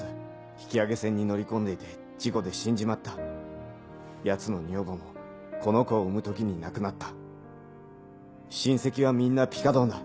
引き揚げ船に乗り込んでいて事故で死んじまったヤツの女房もこの子を産む時に亡くなった親戚はみんなピカドンだ